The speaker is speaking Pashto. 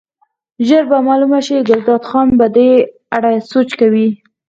ژر به معلومه شي، ګلداد خان په دې اړه سوچ کوي.